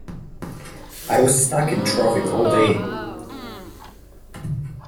I was stuck in traffic all day!